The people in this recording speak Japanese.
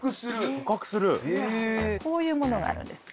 こういうものがあるんです。